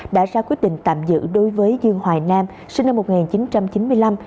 đã ra quyết định tạm giữ đối với dương hoài nam sinh năm một nghìn chín trăm chín mươi năm